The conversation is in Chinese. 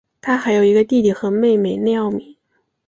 他还有一个弟弟和妹妹内奥米。